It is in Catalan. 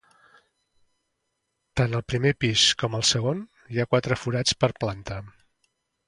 Tant al primer pis com al segon, hi ha quatre forats per planta.